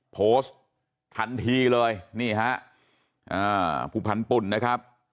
โพสต์ทันทีเลยนี่ฮะอ่าผู้พันธุ่นนะครับ